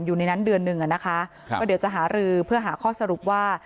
อยู่ในนั้นเดือนหนึ่งอะนะคะก็เดี๋ยวจะหารือเพื่อหาข้อสรุปว่า